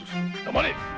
黙れ！